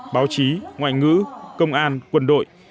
báo chí ngoại ngữ công an quân đội